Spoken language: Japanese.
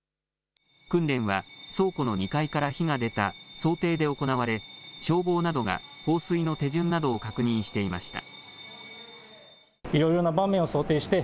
訓練は倉庫の２階から火が出た想定で行われ、消防などが放水の手順などを確認していました。